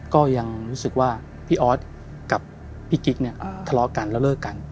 ก็ยังรู้สึกว่าพี่ออสกับพี่กิ๊กเนี่ยทะเลาะกันแล้วเลิกกัน